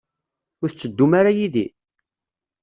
Ur tetteddum ara yid-i?